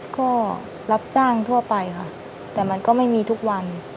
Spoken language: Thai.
ก็รับจ้างทั่วไปค่ะแต่มันก็ไม่มีทุกวัน